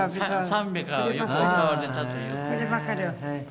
賛美歌をよく歌われたという。